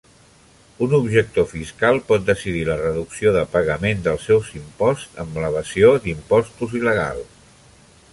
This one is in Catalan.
Un objector fiscal pot decidir la reducció de pagament dels seu imposts amb l'evasió d'impostos il·legal.